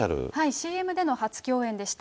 ＣＭでの初共演でした。